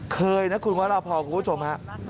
เคยนะคุณรอปภคุณผู้ชม